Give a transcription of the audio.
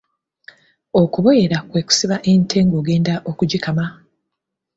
Okuboyera kwe kusiba ente ng'ogenda okugikama